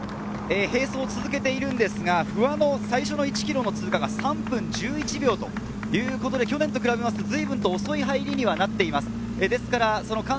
並走を続けていますが、不破の最初の１ｋｍの通過が３分１１秒ということで去年と比べると随分遅い入りになっています。